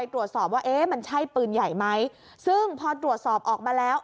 ตรวจสอบว่าเอ๊ะมันใช่ปืนใหญ่ไหมซึ่งพอตรวจสอบออกมาแล้ว